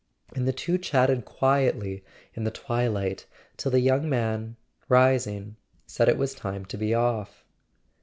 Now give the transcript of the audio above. And the two chatted quietly in the twilight till the young man, rising, said it was time to be off.